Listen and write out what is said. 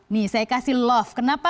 nih saya kasih love kenapa